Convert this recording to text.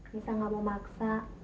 nisa gak mau maksa